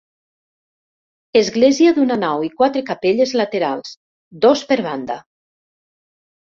Església d'una nau i quatre capelles laterals, dos per banda.